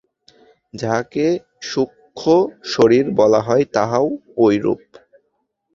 যাহাকে সূক্ষ্ম শরীর বলা হয়, তাহাও ঐরূপ।